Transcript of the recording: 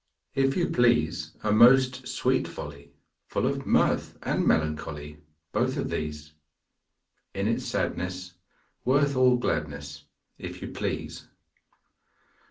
If you please, A most sweet folly! Full of mirth and melancholy: Both of these! In its sadness worth all gladness, If you please!